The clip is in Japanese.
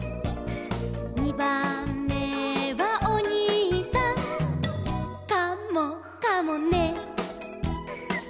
「にばんめはおにいさん」「カモかもね」